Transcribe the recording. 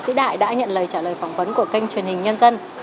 sĩ đại đã nhận lời trả lời phỏng vấn của kênh truyền hình nhân dân